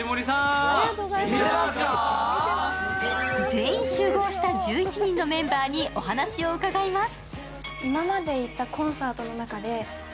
全員集合した１１人のメンバーにお話を伺います。